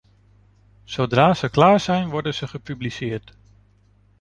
Zodra ze klaar zijn, worden ze gepubliceerd.